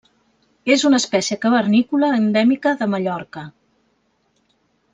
És una espècie cavernícola endèmica de Mallorca.